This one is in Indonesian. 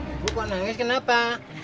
ibu kok nangis kenapa